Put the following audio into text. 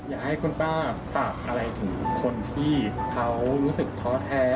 อยากให้คุณป้าฝากอะไรถึงคนที่เขารู้สึกท้อแท้